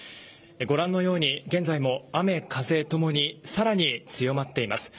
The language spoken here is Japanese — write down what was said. ご覧のように現在も雨、風ともにさらに強まっています。